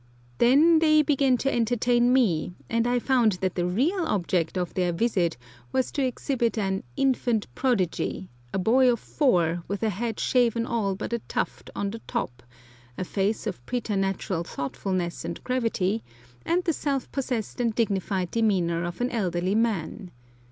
Then they began to entertain me, and I found that the real object of their visit was to exhibit an "infant prodigy," a boy of four, with a head shaven all but a tuft on the top, a face of preternatural thoughtfulness and gravity, and the self possessed and dignified demeanour of an elderly man.